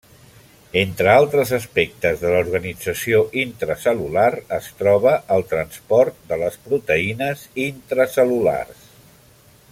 Entre altres aspectes de l'organització intracel·lular es troba el transport de les proteïnes intracel·lulars.